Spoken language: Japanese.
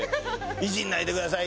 「イジらないでください」